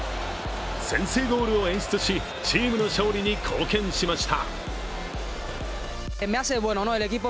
先制ゴールを演出し、チームの勝利に貢献しました。